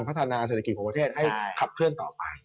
พัฒนาเศรษฐกิจของประเทศให้ขับเคลื่อนต่อไป